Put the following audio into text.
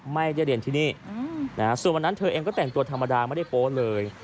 ไม่ได้เรียนที่นี่ส่วนวันนั้นเธอเองก็แต่งตัวธรรมดาไม่ได้โพสต์เลย